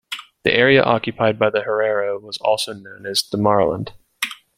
The area occupied by the Herero was known as Damaraland.